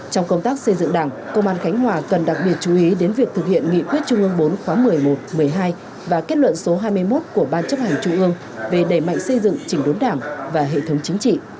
trong công tác xây dựng đảng công an khánh hòa cần đặc biệt chú ý đến việc thực hiện nghị quyết trung ương bốn khóa một mươi một một mươi hai và kết luận số hai mươi một của ban chấp hành trung ương về đẩy mạnh xây dựng chỉnh đốn đảng và hệ thống chính trị